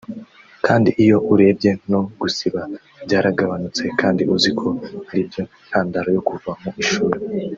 Kandi iyo urebye no gusiba byaragabanutse kandi uzi ko ari byo ntandaro yo kuva mu ishuri